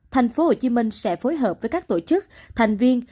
thành phố hồ chí minh sẽ phối hợp với các tổ chức thành viên